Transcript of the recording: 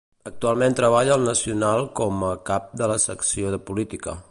Actualment treballa al Nacional com a cap de la secció de política.